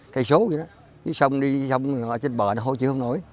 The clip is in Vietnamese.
cái sông đi sông ở trên bờ nó hôi chứ không nổi